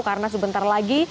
karena sebentar lagi